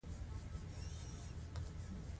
د نجونو تعلیم د ټولنیز بدلون پیل دی.